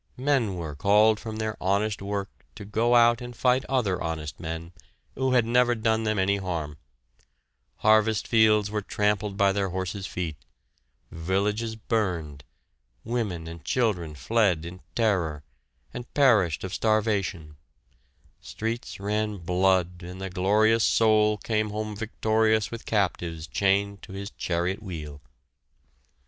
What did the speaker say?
Men were called from their honest work to go out and fight other honest men who had never done them any harm; harvest fields were trampled by their horses' feet, villages burned, women and children fled in terror, and perished of starvation, streets ran blood and the Glorious Soul came home victorious with captives chained to his chariot wheel.